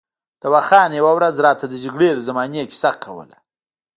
دوا خان یوه ورځ راته د جګړې د زمانې کیسه کوله.